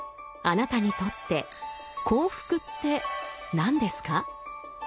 あなたにとって幸福って何ですか？